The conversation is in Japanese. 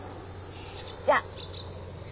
じゃあ。